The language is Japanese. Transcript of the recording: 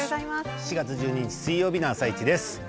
７月１２日水曜日の「あさイチ」です。